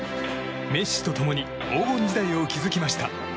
メッシと共に黄金時代を築きました。